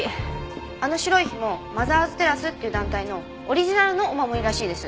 あの白いひもマザーズテラスっていう団体のオリジナルのお守りらしいです。